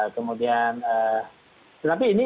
kemudian tapi ini